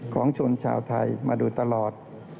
ของชนชาวไทยมาโดยตลอด